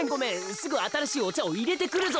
すぐあたらしいおちゃをいれてくるぞ。